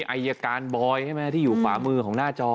ไอยการบอยที่อยู่ขวามือของหน้าจอ